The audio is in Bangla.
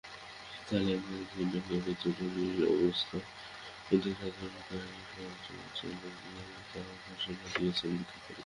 থাইল্যান্ডের রাজধানী ব্যাংককে জরুরি অবস্থার মধ্যেই সরকারবিরোধী আন্দোলন চালিয়ে যাওয়ার ঘোষণা দিয়েছেন বিক্ষোভকারীরা।